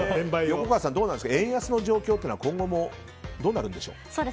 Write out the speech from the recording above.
横川さん、円安の状況って今後、どうなるんでしょう？